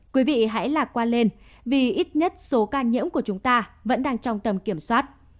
quý vị hãy lạc quan lên vì ít nhất số ca nhiễm của chúng ta vẫn đang trong tầm kiểm soát